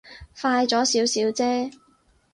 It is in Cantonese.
快咗少少啫